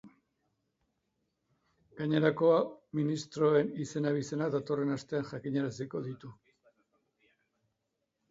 Gainerako ministroen izen-abizenak datorren astean jakinaraziko ditu.